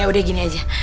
ya udah gini aja